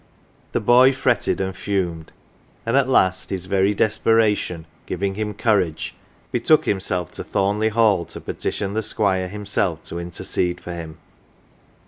The boy fretted and fumed, and at last, his very desperation giving him courage, betook himself to Thornleigh Hall to petition the Squire himself to intercede for him.